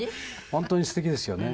本当にすてきですよね。